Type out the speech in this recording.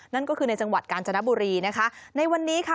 นั่นก็คือในจังหวัดกาญจนบุรีนะคะในวันนี้ค่ะ